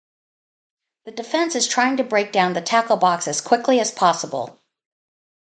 The defense is trying to break down the tackle box as quickly as possible.